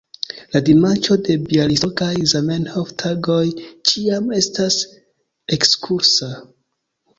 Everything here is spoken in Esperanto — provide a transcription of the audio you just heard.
La dimanĉo de Bjalistokaj Zamenhof-Tagoj ĉiam estas ekskursa.